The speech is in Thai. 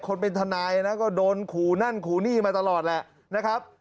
คนเป็นทนายนะก็โดนขู่นั่นขู่นี่มาตลอดแหละนะครับ